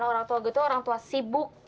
orang tua gue tuh orang tua sibuk